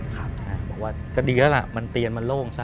บอกว่าก็ดีแล้วล่ะมันเตียนมันโล่งซะ